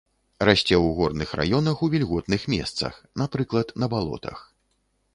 Расце ў горных раёнах ў вільготных месцах, напрыклад, на балотах.